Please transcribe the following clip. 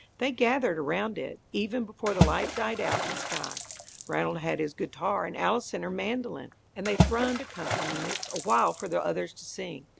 They gathered around it, even before the light died out in the sky. Ranald had his guitar and Allison her mandolin, and they thrummed accompaniments awhile for the others to sing.